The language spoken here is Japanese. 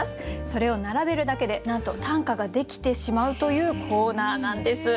それを並べるだけでなんと短歌が出来てしまうというコーナーなんです。